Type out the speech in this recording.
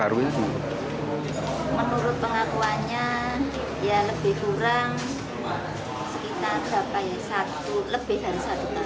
menurut pengakuannya ya lebih kurang sekitar satu tahun